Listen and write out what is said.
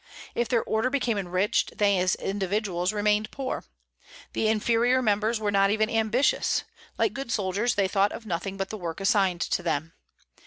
If their Order became enriched, they as individuals remained poor. The inferior members were not even ambitious; like good soldiers, they thought of nothing but the work assigned to them.